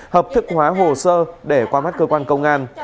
hợp thức hóa hồ sơ để qua mắt cơ quan công an